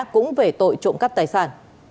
cũng về tội trộm cắp tài sản